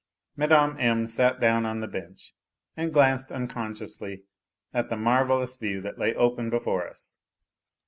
Mine. M. sat down on the bench and glanced unconsciously at the marvellous view that lay open before us.